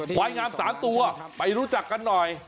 ควายงาม๓ตัวไปรู้จักกันหน่อย